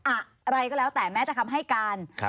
อะไรก็แล้วแต่แม้แต่คำให้การ